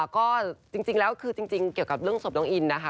ก็จริงแล้วคือจริงเกี่ยวกับเรื่องศพน้องอินนะคะ